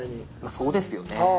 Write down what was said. そうですよね。